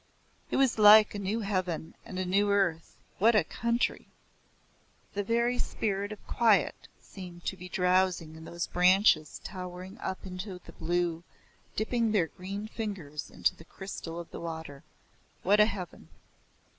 "It was like a new heaven and a new earth. What a country!" The very spirit of Quiet seemed to be drowsing in those branches towering up into the blue, dipping their green fingers into the crystal of the water. What a heaven!